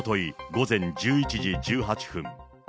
午前１１時１８分。